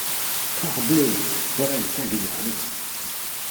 Parbleu ! voilà une singulière annonce.